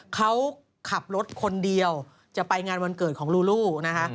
เขาขับรถคนเดียวจะไปงานวันเกิดของลูลูนะคะ